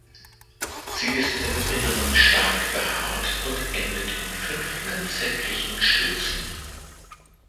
Sie ist im Inneren stark behaart und endet in fünf lanzettlichen Spitzen.